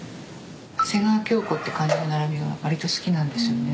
「長谷川京子」って漢字の並びが割と好きなんですよね。